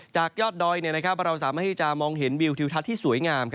จากยอดดอยเราสามารถที่จะมองเห็นวิวทิวทัศน์ที่สวยงาม